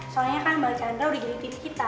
soalnya kan bang chandra udah jadi tv kita